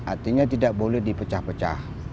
artinya tidak boleh dipecah pecah